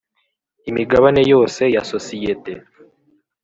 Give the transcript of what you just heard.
Imigabane yose ya sosiyete